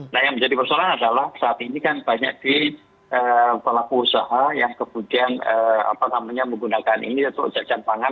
nah yang menjadi persoalan adalah saat ini kan banyak di pelaku usaha yang kemudian menggunakan ini yaitu jajan pangan